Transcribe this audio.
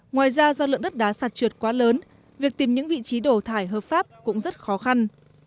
ngoài ra do lượng đất đá sạt trượt quá lớn việc tìm những vị trí đổ thải hợp pháp cũng rất khó khăn